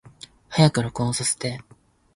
早く録音させて